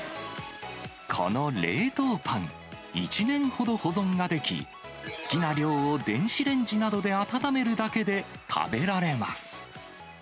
この冷凍パン、１年ほど保存ができ、好きな量を電子レンジなどで温めるだけで食べられます。